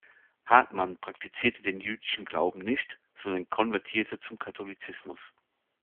Hartmann praktizierte den jüdischen Glauben nicht, sondern konvertierte zum Katholizismus.